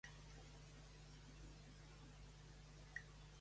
La traducció més fidedigna és interpretació, encara que se sol usar el terme anglès.